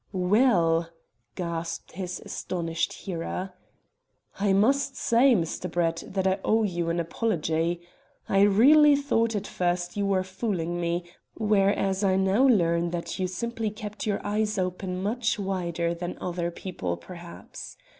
"Well," gasped his astonished hearer, "I must say, Mr. Brett, that I owe you an apology. I really thought at first you were fooling me, whereas now I learn that you simply kept your eyes open much wider than other people, perhaps.